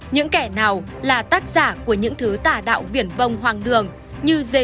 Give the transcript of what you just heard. những kẻ nào là tác giả của những thứ tả đạo viển bông hoang đường như giê xua